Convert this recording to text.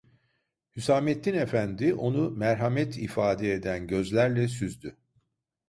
Hüsamettin efendi onu merhamet ifade eden gözlerle süzdü: